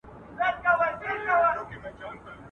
لاس دي تور، مخ دي په تور.